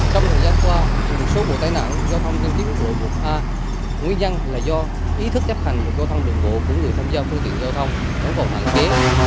trong thời gian qua một số vụ tai nạn giao thông trên tuyến quốc lộ một a nguyên nhân là do ý thức chấp hành bộ giao thông đường bộ của người tham gia phương tiện giao thông vẫn còn hạn chế